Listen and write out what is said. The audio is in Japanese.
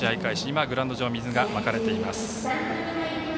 今、グラウンド上に水がまかれています。